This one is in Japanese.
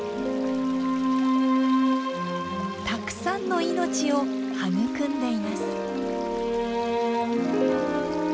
たくさんの命を育んでいます。